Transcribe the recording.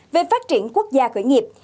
về phát triển quốc gia khởi nghiệp